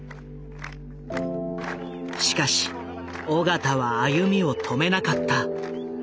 しかし緒方は歩みを止めなかった。